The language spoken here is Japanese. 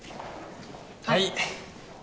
はい。